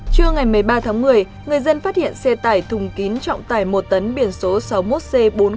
trưa ngày một mươi ba tháng một mươi người dân phát hiện xe tải thùng kín trọng tải một tấn biển số sáu mươi một c bốn mươi nghìn bảy trăm tám mươi bốn